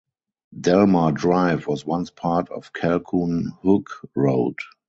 Delmar Drive was once part of Calcon Hook Road.